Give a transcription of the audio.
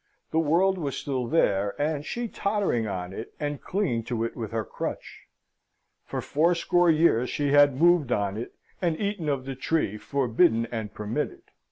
The world was still here, and she tottering on it, and clinging to it with her crutch. For fourscore years she had moved on it, and eaten of the tree, forbidden and permitted.